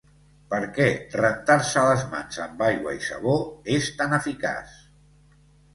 Per què rentar-se les mans amb aigua i sabó és tan eficaç?